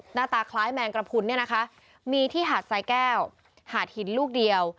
หน้าตาคล้ายแมงกระพุนเนี่ยนะคะมีที่หาดสายแก้วหาดหินลูกเดียว